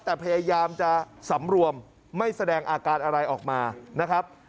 แต่พยายามจะสำรวมไม่แสดงอาการอะไรออกมานะครับ